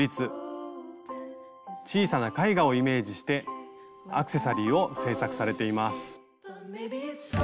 「小さな絵画」をイメージしてアクセサリーを製作されています。